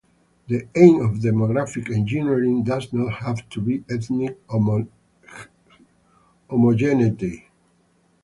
The aim of demographic engineering does not have to be ethnic homogeneity.